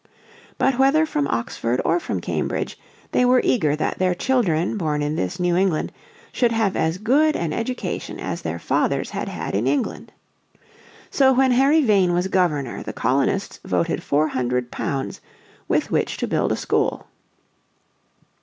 But whether from Oxford or from Cambridge they were eager that their children born in this New England should have as good an education as their fathers had had in Old England. So when Harry Vane was Governor the colonists voted £400 with which to build a school.